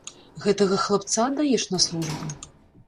Гэтага хлапца аддаеш на службу?